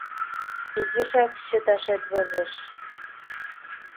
Изишак чыташет возеш.